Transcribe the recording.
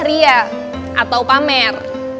ria atau pamer